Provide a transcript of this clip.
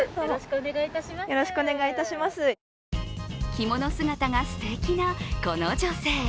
着物姿がすてきなこの女性。